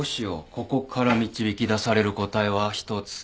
ここから導き出される答えは１つ。